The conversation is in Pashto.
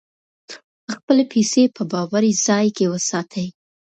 خپلې پیسې په باوري ځای کې وساتئ.